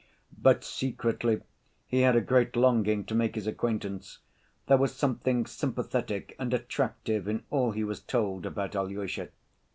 But secretly he had a great longing to make his acquaintance; there was something sympathetic and attractive in all he was told about Alyosha.